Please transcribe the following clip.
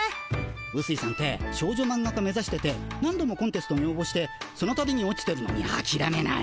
うすいさんて少女マンガ家目指してて何度もコンテストにおうぼしてそのたびに落ちてるのにあきらめない。